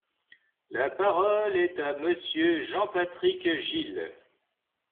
La parole est à Monsieur Jean-Patrick Gille.